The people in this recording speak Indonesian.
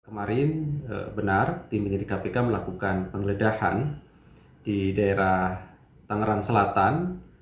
kemarin benar tim penyelidik kpk melakukan penggeledahan di daerah tangerang selatan